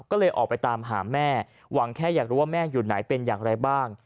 ก็เลยออกไปตามหาแม่หวังแค่อยากรู้ว่าแม่อยู่ไหนเป็นอย่างไรบ้าง